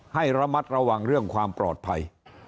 ให้ระมัดระวังเรื่องความปลอดภัย